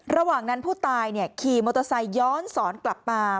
ระหว่างนั้นผู้ตายขี่มอเตอร์ไซค์ย้อนสอนกลับมา